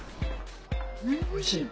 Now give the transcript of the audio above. おいしい？